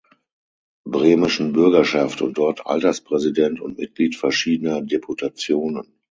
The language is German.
Bremischen Bürgerschaft und dort Alterspräsident und Mitglied verschiedener Deputationen.